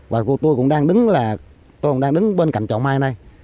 và tôi cũng đang đứng bên cạnh chậu mai này